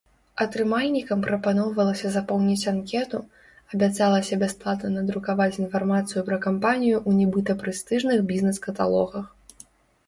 Атрымальнікам прапаноўвалася запоўніць анкету, абяцалася бясплатна надрукаваць інфармацыю пра кампанію ў нібыта прэстыжных бізнэс-каталогах.